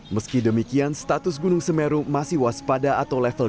meski demikian status gunung semeru masih waspada atau level dua